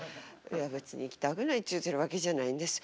いや別に行きたくないっちゅうてるわけじゃないんです。